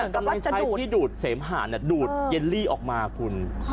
กำลังใช้ที่ดูดเสมหาดูดเยลลี่ออกมาคุณ